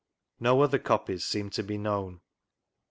No other copies seem to be known.